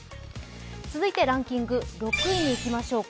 続いてランキング６位にいきましょうか。